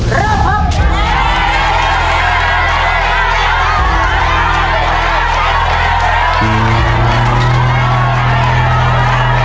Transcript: เริ่มครับ